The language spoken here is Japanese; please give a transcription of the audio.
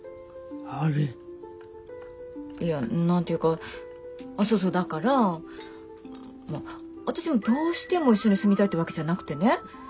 いや何て言うかあっそうそうだから私もどうしても一緒に住みたいってわけじゃなくてね。